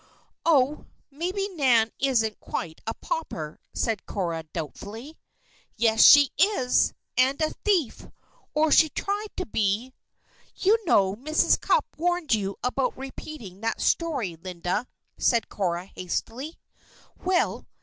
"Oh! maybe Nan isn't quite a pauper," said Cora doubtfully. "Yes, she is! And a thief! Or, she tried to be " "You know Mrs. Cupp warned you about repeating that story, Linda," said Cora, hastily. "Well!